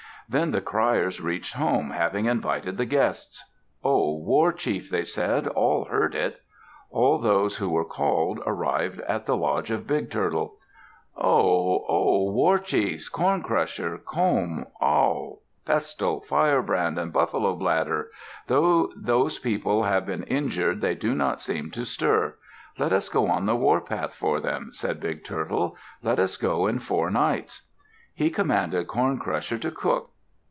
Then the criers reached home, having invited the guests. "Oh, war chief," they said, "all heard it." All those who were called arrived at the lodge of Big Turtle. "Ho! Oh, war chiefs! Corn Crusher, Comb, Awl, Pestle, Firebrand, and Buffalo Bladder, though those people have been injured they do not seem to stir. Let us go on the warpath for them," said Big Turtle. "Let us go in four nights." He commanded Corn Crusher to cook.